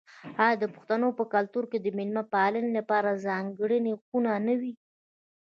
آیا د پښتنو په کلتور کې د میلمه پالنې لپاره ځانګړې خونه نه وي؟